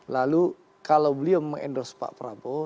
lalu kalau beliau mengendorse pak prabowo